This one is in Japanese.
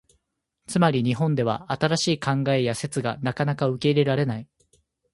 つまり、日本では新しい考えや説がなかなか受け入れられない。